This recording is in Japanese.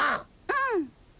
うん。